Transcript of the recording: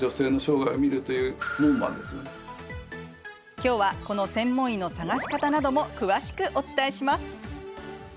今日はこの専門医の探し方なども詳しくお伝えします。